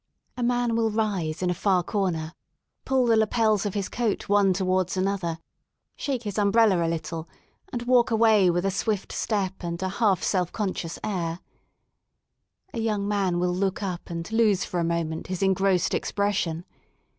A man will rise in a far corner, pull the lapels of his coat one towards an o theft shake his umbrella a little, and walk away with a swift step and a half self conscious ain A young man will look tip and lose for a moment his engrossed expression.